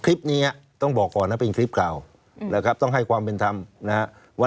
คริปเนี้ยอ้ะต้องบอกก่อนนะเป็นอีกคริปเก่าเออแล้วครับต้องให้ความเป็นทำนะฮะ